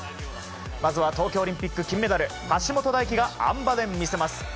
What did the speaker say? まずは東京オリンピック金メダル、橋本大輝があん馬で見せます。